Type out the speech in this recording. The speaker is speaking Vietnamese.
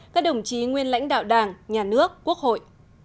các đồng chí nguyên lãnh đạo đảng nhà nước quốc hội